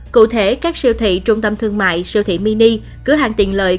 cụ thể các siêu thị trung tâm thương mại siêu thị mini cửa hàng tiện lợi